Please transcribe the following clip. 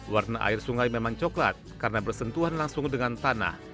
warna air sungai memang coklat karena bersentuhan langsung dengan tanah